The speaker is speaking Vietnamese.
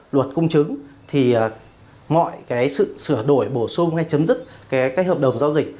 luật cung chứng thì mọi sự sửa đổi bổ sung hay chấm dứt các hợp đồng giao dịch